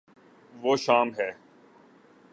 وہ شام ہے